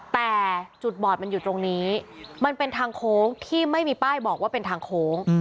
แต่จุดบอดมันอยู่ตรงนี้มันเป็นทางโค้งที่ไม่มีป้ายบอกว่าเป็นทางโค้ง